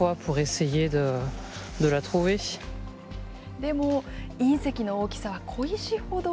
でも、隕石の大きさは小石ほど。